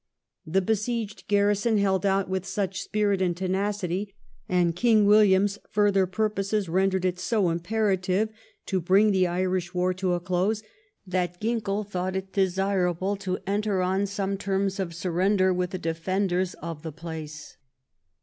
The besieged garrison held out with such spirit and tenacity, and King WiUiam's further purposes rendered it so imperative to bring the Irish war to a close, that Ginckell thought it desirable to enter on some terms of surrender with the defenders of the place.